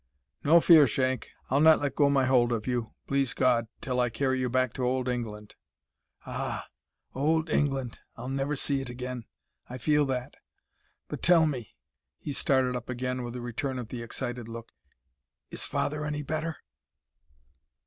"No fear, Shank. I'll not let go my hold of you, please God, till I carry you back to old England." "Ah! old England! I'll never see it again. I feel that. But tell me," he started up again, with a return of the excited look "is father any better?"